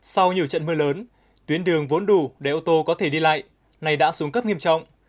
sau nhiều trận mưa lớn tuyến đường vốn đủ để ô tô có thể đi lại này đã xuống cấp nghiêm trọng